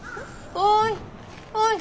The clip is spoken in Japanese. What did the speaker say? おい。